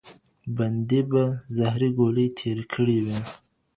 بندي به زهري ګولۍ تېره کړي وي.